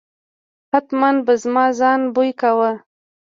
حتمآ به زما ځان بوی کاوه.